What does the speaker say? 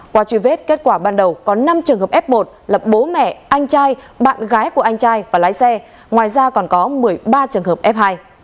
qua truy vết kết quả ban đầu có năm trường hợp f một là bố mẹ anh trai bạn gái của anh trai và lái xe ngoài ra còn có một mươi ba trường hợp f hai